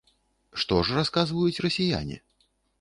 Што ж расказваюць расіяне?